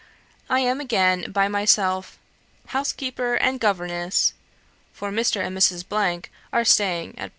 I am again by myself housekeeper and governess for Mr. and Mrs. are staying at